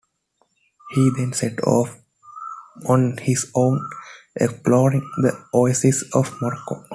He then set off on his own, exploring the oases of Morocco.